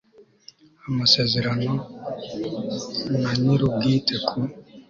amasezerano na nyir ubwite ku